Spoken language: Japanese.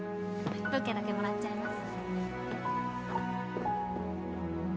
ブーケだけもらっちゃいます。